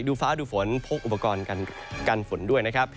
ฟ้าดูฝนพกอุปกรณ์กันฝนด้วยนะครับ